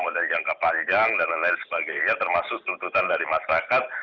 mulai dari jangka panjang dan lain lain sebagainya termasuk tuntutan dari masyarakat